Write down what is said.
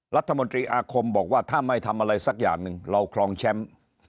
รัฐมนตรีอาคมบอกว่าถ้าไม่ทำอะไรสักอย่างหนึ่งเราครองแชมป์